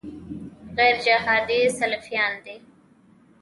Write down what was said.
غیرجهادي سلفیان دي.